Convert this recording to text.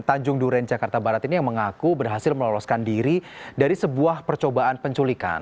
tanjung duren jakarta barat ini yang mengaku berhasil meloloskan diri dari sebuah percobaan penculikan